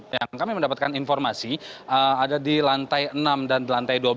yang kami mendapatkan informasi ada di lantai enam dan lantai dua belas